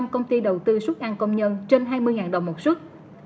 một mươi năm công ty đầu tư xuất ăn công nhân trên hai mươi đồng một xuất